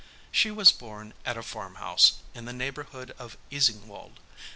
She was born at a farm house, in the neighbourhood of Easingwold.